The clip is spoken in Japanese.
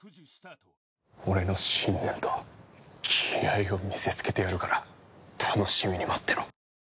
俺の信念と気合を見せつけてやるから楽しみに待ってろ。